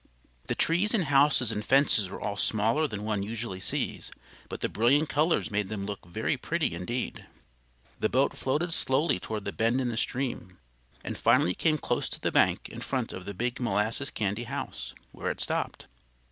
The trees and houses and fences were all smaller than one usually sees, but the brilliant colors made them look very pretty indeed. The boat floated slowly toward the bend in the stream, and finally came close to the bank in front of the big molasses candy house, where it stopped.